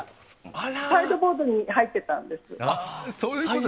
サイドボードに入っていたんです。